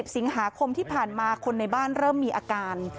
สิงหาคมที่ผ่านมาคนในบ้านเริ่มมีอาการ